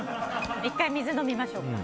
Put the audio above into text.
１回、水を飲みましょうか。